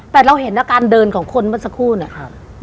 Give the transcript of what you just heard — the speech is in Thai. แต่เราเห็นอาการเดินของคนเมื่อสักครู่เนี่ย